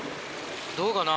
どうかな？